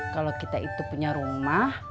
kalau kita itu punya rumah